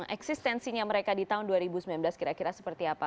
eksistensinya mereka di tahun dua ribu sembilan belas kira kira seperti apa